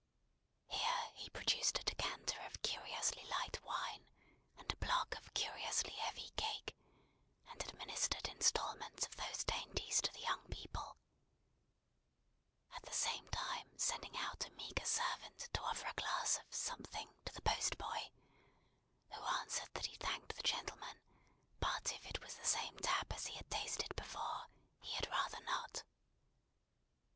Here he produced a decanter of curiously light wine, and a block of curiously heavy cake, and administered instalments of those dainties to the young people: at the same time, sending out a meagre servant to offer a glass of "something" to the postboy, who answered that he thanked the gentleman, but if it was the same tap as he had tasted before, he had rather not.